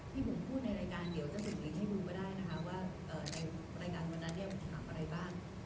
บุ๋มพูดในรายการเดี๋ยวจะส่งลิงให้ดูก็ได้นะคะว่าในรายการวันนั้นเนี่ยผมถามอะไรบ้าง